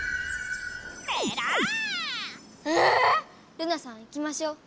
ルナさん行きましょう。